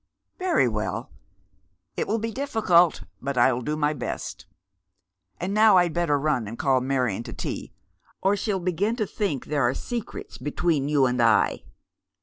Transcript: " Very well. It will be difficult, but I'll do my best. And now I'd better run and call Marion to tea, or she'll begin to think there are secrets between you and I."